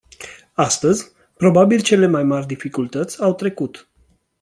Astăzi, probabil cele mai mari dificultăți au trecut.